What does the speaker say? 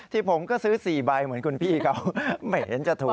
ที่ผมก็ซื้อ๔ใบเหมือนคุณพี่เขาไม่เห็นจะถูก